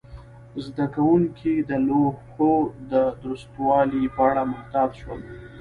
زده کوونکي د لوحو د درستوالي په اړه محتاط شول.